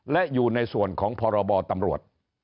และอยู่ในส่วนของพรบตำรวจ